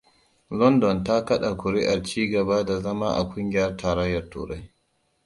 London ta kaɗa ƙuri'ar ci gaba da zama a ƙungiyar tarayyar turai.